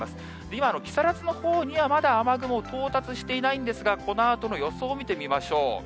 今、木更津のほうにはまだ雨雲到達していないんですが、このあとの予想を見てみましょう。